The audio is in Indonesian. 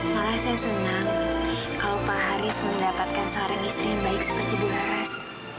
malah saya senang kalau pak haris mendapatkan seorang istri yang baik seperti bu laras